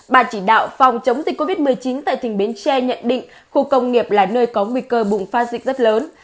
bà chỉ đạo phòng chống dịch covid một mươi chín tại tỉnh bến tre nhận định khu công nghiệp là nơi có nguy cơ bùng phát dịch rất lớn